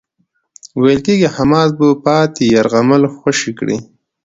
ویل کېږی حماس به پاتې يرغمل خوشي کړي.